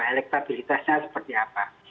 elektabilitasnya seperti apa